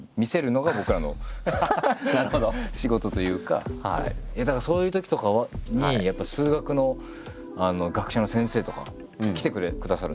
意外とそこはだからそういうときとかにやっぱ数学の学者の先生とか来てくださるんですよ。